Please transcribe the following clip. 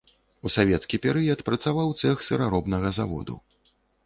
У савецкі перыяд працаваў цэх сыраробнага заводу.